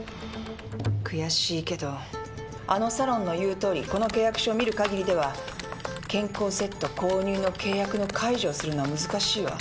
悔しいけどあのサロンの言うとおりこの契約書を見るかぎりでは健康セット購入の契約の解除をするのは難しいわ。